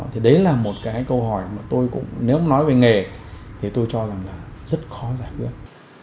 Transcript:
thì đấy là một cái câu hỏi mà tôi cũng nếu nói về nghề thì tôi cho rằng là rất khó giải quyết